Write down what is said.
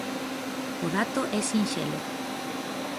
O dato é sinxelo.